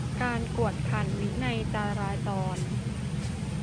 การกวดขันวินัยจราจร